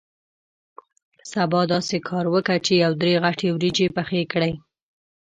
سبا داسې کار وکه چې یو درې غټې وریجې پخې کړې.